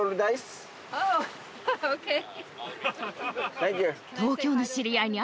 サンキュー。